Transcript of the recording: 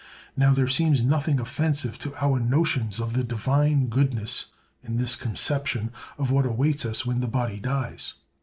Now, there seems nothing offensive to our notions of the Divine goodness in this conception of what awaits us when the body dies.